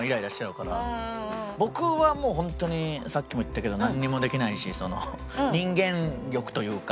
僕はもう本当にさっきも言ったけどなんにもできないしその人間力というか。